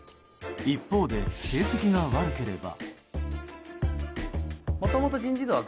一方で、成績が悪ければ。